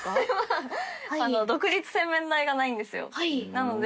なので